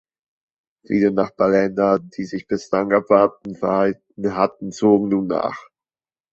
Viele Nachbarländer, die sich bislang abwartend verhalten hatten, zogen nun nach.